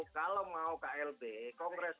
kalau mau klb kongres